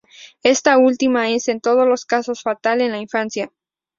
Esta última es, en todos los casos, fatal en la infancia.